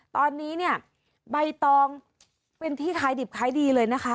ตอนนี้เนี่ยใบตองเป็นที่ขายดิบขายดีเลยนะคะ